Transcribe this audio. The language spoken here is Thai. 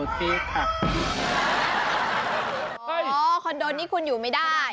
คอนโดนี้คุณอยู่ไม่ได้